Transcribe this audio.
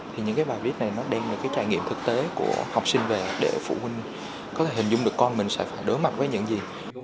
thì những cái bài viết này nó đem được cái trải nghiệm thực tế của học sinh về để phụ huynh có thể hình dung được con mình sẽ phải đối mặt với những gì